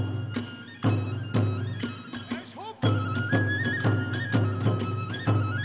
やいしょ！